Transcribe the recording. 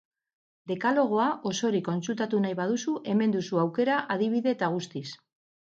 Dekalogoa osorik kontsultatu nahi baduzu, hemen duzu aukera, adibide eta guztiz.